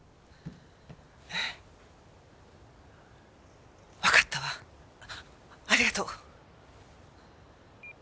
えっわかったわありがとう。